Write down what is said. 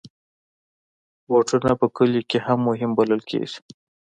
بوټونه په کلیو کې هم مهم بلل کېږي.